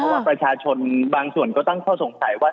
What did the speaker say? เพราะว่าประชาชนบางส่วนก็ต้องเข้าสงสัยว่า